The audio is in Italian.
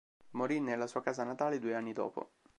Morì nella sua casa natale due anni dopo.